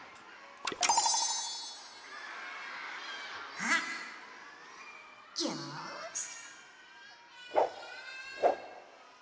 あっよし。